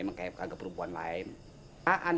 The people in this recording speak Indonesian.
emang kaya kagak perempuan lain